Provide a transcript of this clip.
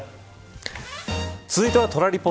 続いてはトラリポ！